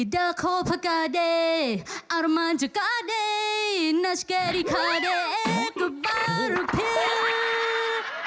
ดักโฮพะกาเดอรมันจกาเดนัชเกดิคาเดกบรพิพย์